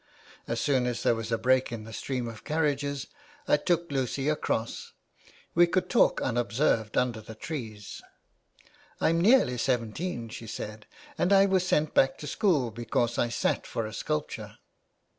As soon as there was a break in the stream of carriages I took Lucy across. We could talk unobserved under the trees." " I'm nearly seventeen," she said, " and I was sent back to school because I sat for a sculpture."